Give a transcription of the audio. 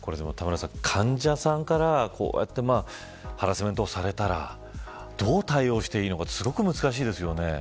患者さんからこうやってハラスメントをされたらどう対応していいのかすごく難しいですよね。